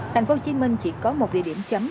thành phố hồ chí minh chỉ có một địa điểm chấm